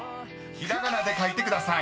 ひらがなで書いてください］